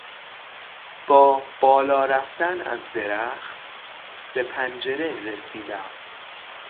با بالا رفتن از درخت به پنجره رسیدم.